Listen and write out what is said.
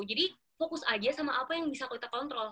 jadi fokus aja sama apa yang bisa kita kontrol